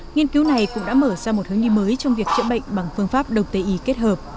nghiên cứu này cũng đã mở ra một hướng đi mới trong việc chữa bệnh bằng phương pháp đông tây y kết hợp